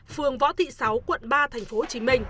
phường võ thị sáu quận ba tp hcm